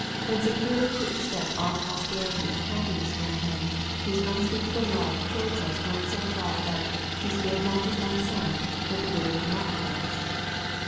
than securely to expect all prosperity and happiness from Him, whose unspeakable love towards us went so far, that "he spared not his own Son, but delivered him up for us?"